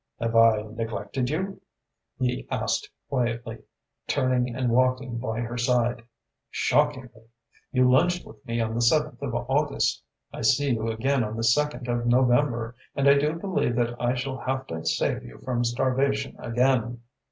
"Have I neglected you?" he asked quietly, turning and walking by her side. "Shockingly! You lunched with me on the seventh of August. I see you again on the second of November, and I do believe that I shall have to save you from starvation again."